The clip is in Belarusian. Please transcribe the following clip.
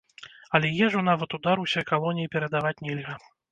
Але ежу нават у дар ўсёй калоніі перадаваць нельга.